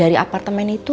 kemarin dari apartemen itu